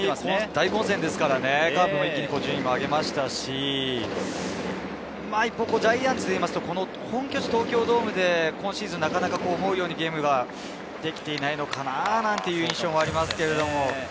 大混戦ですからね、カープも一気に順位を上げましたし、ジャイアンツでいうと、本拠地・東京ドームで、今シーズンなかなか思うようにゲームができていないのかななんていう印象があります。